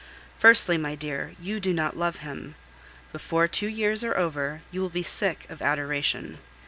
Firstly, my dear, you do not love him. Before two years are over, you will be sick of adoration.